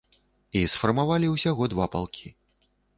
І сфармавалі ўсяго два палкі.